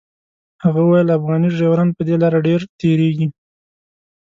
هغه ویل افغاني ډریوران په دې لاره ډېر تېرېږي.